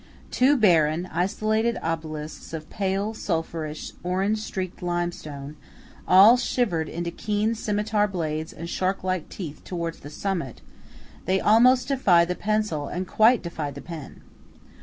Two barren isolated obelisks of pale, sulphurous, orange streaked limestone, all shivered into keen scimitar blades and shark like teeth towards the summit, they almost defy the pencil and quite defy the pen.